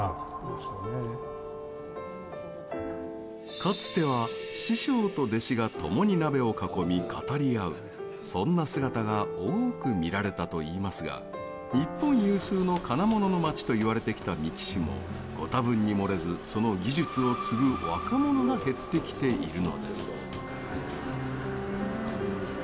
かつては師匠と弟子が共に鍋を囲み語り合うそんな姿が多く見られたといいますが日本有数の金物の街といわれてきた三木市もご多分に漏れずその技術を継ぐ若者が減ってきているのです。